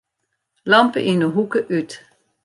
Lampe yn 'e hoeke út.